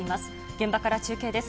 現場から中継です。